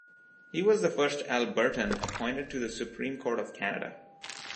He was the first Albertan appointed to the Supreme Court of Canada.